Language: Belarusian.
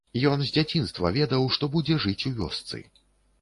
Ён з дзяцінства ведаў, што будзе жыць у вёсцы.